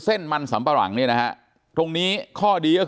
เส้นมันสำปะหลังเนี่ยนะฮะตรงนี้ข้อดีก็คือ